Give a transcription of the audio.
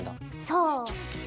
そう！